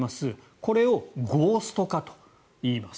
これをゴースト化といいます。